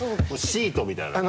シートみたいな。